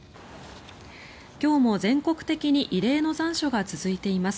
今日も全国的に異例の残暑が続いています。